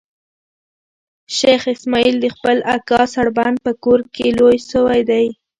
شېخ اسماعیل د خپل اکا سړبن په کور کښي لوی سوی دئ.